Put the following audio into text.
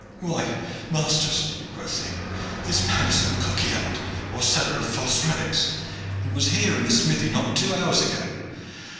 "Why, masters," quoth he, "this man is a coquillart, or seller of false relics, and was here in the smithy not two hours ago.